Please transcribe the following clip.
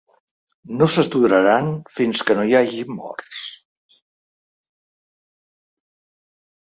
No s'aturaran fins que no hi hagi morts.